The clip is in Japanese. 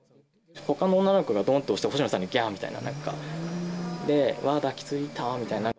ほかの女の子がどんって押して、星野さんが、きゃーみたいな、で、わー、抱きついたみたいな。